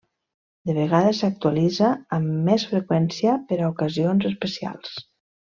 De vegades s'actualitza amb més freqüència per a ocasions especials.